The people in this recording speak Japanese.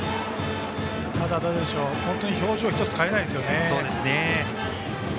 ただ、本当に表情１つ変えないですよね。